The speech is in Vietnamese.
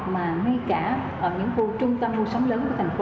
mà ngay cả ở những khu trung tâm mua sắm lớn của thành phố